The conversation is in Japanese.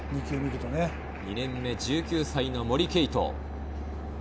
２年目１９歳の森敬斗。